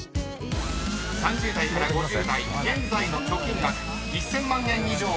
［３０代から５０代現在の貯金額１，０００万円以上は何％か］